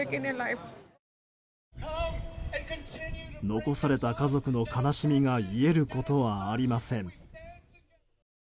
残された家族の悲しみが癒えることはありません。